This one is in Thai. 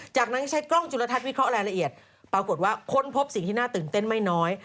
จากนั้นใช้กล้องจุลทัศวิเคราะห์รายละเอียดปรากฏว่าค้นพบสิ่งที่น่าตื่นเต้นไม่น้อย